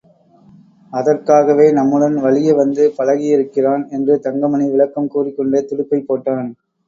அதற்காகவே நம்முடன் வலிய வந்து பழகியிருக்கிறான் என்று தங்கமணி விளக்கம் கூறிக்கொண்டே துடுப்பைப் போட்டான்.